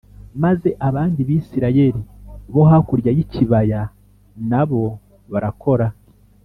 maze abandi bisirayeli bo hakurya y ikibaya n abo barakora